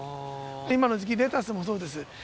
今の時期、レタスもそうです。